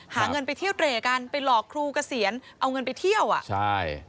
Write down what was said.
หาเงินไปเที่ยวเตร่กันไปหลอกครูเกษียณเอาเงินไปเที่ยวอ่ะใช่